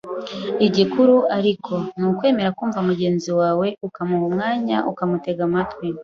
Igikuru ariko, ni ukwemera kumva mugenzi wawe, ukamuha umwanya ukamutega amatwi.